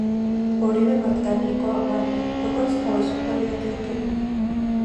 ორივე მათგანი იყო აყვანილი, როგორც თავისუფალი აგენტი.